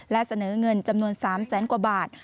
และเสนอเงินจำนวน๓แสนกว่าบาท